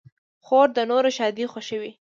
خور د نورو ښادۍ خوښوي.